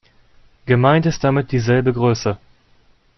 Gemeint ist damit dieselbe Größe.